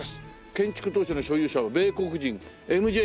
「建築当初の所有者は米国人Ｍ．Ｊ．シェー氏です」